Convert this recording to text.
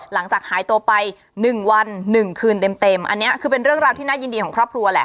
หลังจากหายตัวไป๑วัน๑คืนเต็มอันนี้คือเป็นเรื่องราวที่น่ายินดีของครอบครัวแหละ